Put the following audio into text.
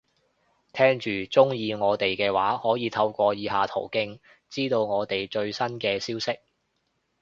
聽住，鍾意我哋嘅話，可以透過以下途徑，知道我哋最新嘅消息